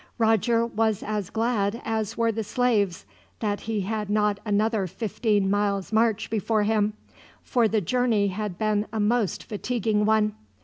Roger was as glad as were the slaves that he had not another fifteen miles' march before him, for the journey had been a most fatiguing one.